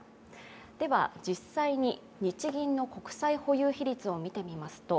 では、実際に日銀の国債保有比率を見てみます。